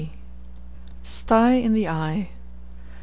STYE IN THE EYE.